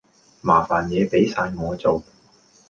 麻煩野俾哂我做